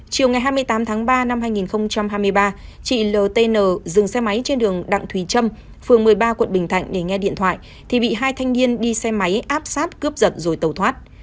chiều ngày hai mươi tám tháng ba năm hai nghìn hai mươi ba chị lt dừng xe máy trên đường đặng thùy trâm phường một mươi ba quận bình thạnh để nghe điện thoại thì bị hai thanh niên đi xe máy áp sát cướp giật rồi tàu thoát